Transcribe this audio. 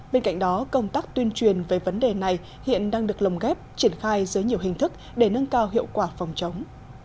bên cạnh đó công tác tuyên truyền về vấn đề này hiện đang được lồng ghép triển khai dưới nhiều hình thức để nâng cao hiệu quả phòng chống